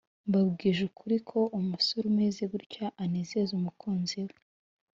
mbabwije ukuri ko umusore umeze gutya anezeza umukunzi we